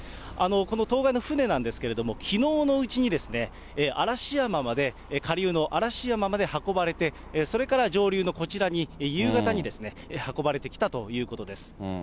この当該の船なんですけども、きのうのうちに嵐山まで、下流の嵐山まで運ばれて、それから上流のこちらに、夕方に運ばれてきたということです。